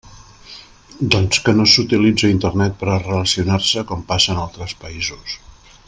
Doncs que no s'utilitza Internet per a relacionar-se, com passa en altres països.